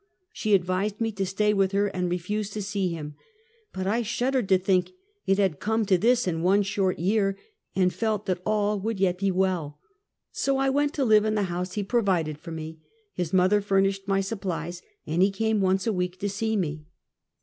She advised me to stay with her and refuse to see him, but I shuddered to think it had come to this in one short year, and felt that all would yet be well. So I went to live in the house he provided for me, his mother furnished my supplies, and be came once a week to see me.